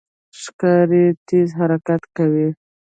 ښکاري تېز حرکت کوي.